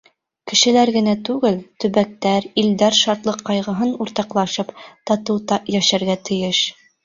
Кешеләр генә түгел, төбәктәр, илдәр шатлыҡ-ҡайғыһын уртаҡлашып, татыу йәшәргә тейеш.